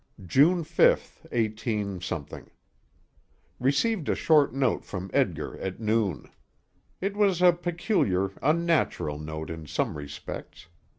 ] June 5, 18 . Received a short note from Edgar at noon. It was a peculiar, unnatural note in some respects.